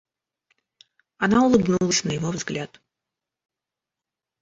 Она улыбнулась на его взгляд.